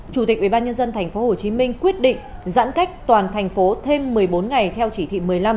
chủ tịch ubnd tp hcm quyết định giãn cách toàn thành phố thêm một mươi bốn ngày theo chỉ thị một mươi năm